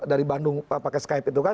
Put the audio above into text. dari bandung pakai skype itu kan